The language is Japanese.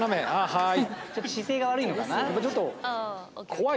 はい。